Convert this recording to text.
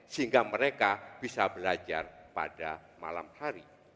sehingga mereka bisa belajar pada malam hari